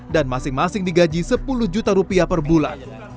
dan masing masing digaji sepuluh juta rupiah per bulan